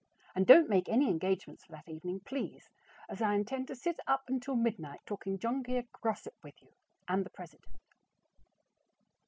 And don't make any engagements for that evening, please, as I intend to sit up until midnight talking John Grier gossip with you and the president.